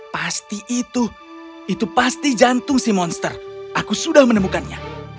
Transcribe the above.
pasti itu itu pasti jantung si monster aku sudah menemukannya